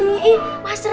waalaikumsalam mas randy